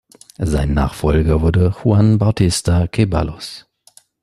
Sein Nachfolger wurde Juan Bautista Ceballos.